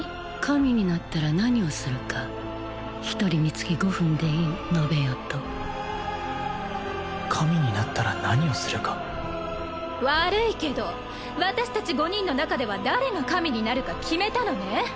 神になったら何をするか１人につき５分でいい述べよと神になったら何をするか悪いけど私達５人の中では誰が神になるか決めたのね